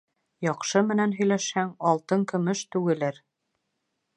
Яҡшы менән һөйләшһәң, алтын-көмөш түгелер